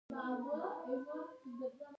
د ګلپي ګل د څه لپاره وکاروم؟